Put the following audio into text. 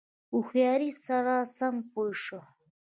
هوښیاری سره سم پوه شو.